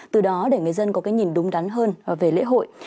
từ đó để người dân có cái nhìn đúng đắn hơn về lễ hội